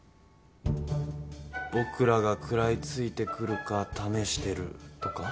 僕らが食らいついてくるか試してるとか？